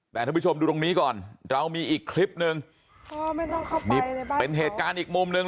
แต่ท่านผู้ชมดูตรงนี้ก่อนเรามีอีกคลิปหนึ่งนี่เป็นเหตุการณ์อีกมุมหนึ่ง